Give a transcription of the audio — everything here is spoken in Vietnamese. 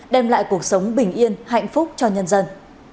đem lại cuộc sống bình yên hạnh phúc cho nhân dân